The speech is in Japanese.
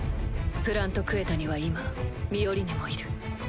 プラント・クエタには今ミオリネもいる。